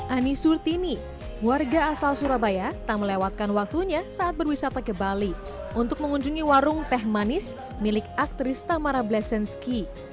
ani surtini warga asal surabaya tak melewatkan waktunya saat berwisata ke bali untuk mengunjungi warung teh manis milik aktris tamara bleszensky